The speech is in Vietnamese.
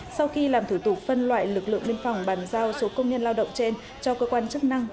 sau khi làm thủ tục phân loại lực lượng biên phòng bàn giao số công nhân lao động trên cho cơ quan chức năng